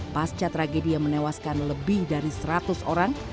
pasca tragedi yang menewaskan lebih dari seratus orang